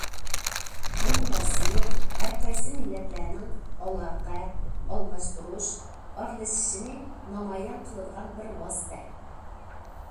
توي مۇراسىمى ھەر قايسى مىللەتلەرنىڭ ئالاقە، ئالماشتۇرۇش، ئارىلىشىشىنى نامايان قىلىدىغان بىر ۋاسىتە.